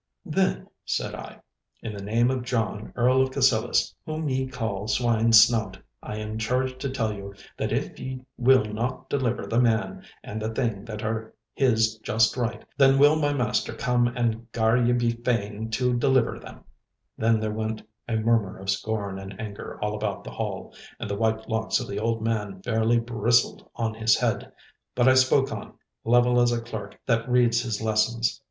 'Then,' said I, 'in the name of John, Earl of Cassillis, whom ye call swine's snout, I am charged to tell you that if ye will not deliver the man and the thing that are his just right, then will my master come and gar ye be fain to deliver them—' Then there went a murmur of scorn and anger all about the hall, and the white locks of the old man fairly bristled on his head. But I spoke on, level as a clerk that reads his lessons.